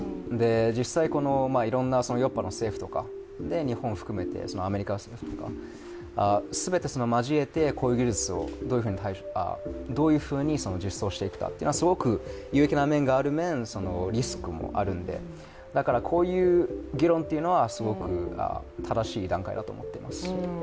実際、いろんなヨーロッパの政府とか日本を含めてアメリカとか、全てを交えてこういう技術をどういうふうに実装していくかというのはすごく有益な面がある一方、リスクもあるのでだからこういう議論というのはすごく正しい段階だと思っています。